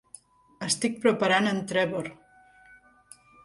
Estic preparant en Trevor!